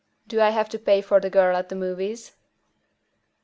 "Do I have to pay for the girl at the movies?"